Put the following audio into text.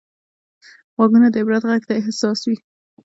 غوږونه د عبرت غږ ته حساس وي